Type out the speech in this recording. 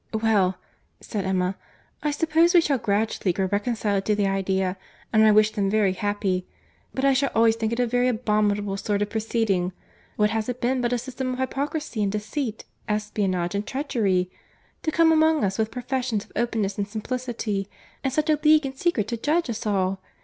"Well," said Emma, "I suppose we shall gradually grow reconciled to the idea, and I wish them very happy. But I shall always think it a very abominable sort of proceeding. What has it been but a system of hypocrisy and deceit,—espionage, and treachery?—To come among us with professions of openness and simplicity; and such a league in secret to judge us all!